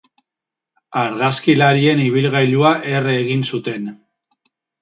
Argazkilarien ibilgailua erre egin zuten.